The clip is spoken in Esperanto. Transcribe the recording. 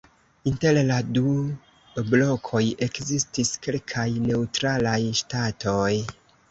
Inter la du blokoj ekzistis kelkaj neŭtralaj ŝtatoj.